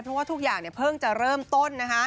เพราะว่าทุกอย่างเพิ่งจะเริ่มต้นนะคะ